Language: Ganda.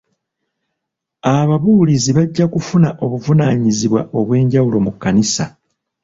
Ababuulizi bajja kufuna obuvunaanyizibwa obw'ejawulo mu kkanisa.